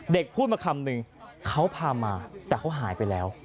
พูดมาคำนึงเขาพามาแต่เขาหายไปแล้ว